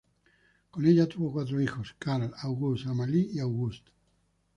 Con ella tuvo cuatro hijos: Karl, August, Amalie y Auguste.